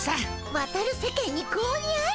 渡る世間に子鬼あり。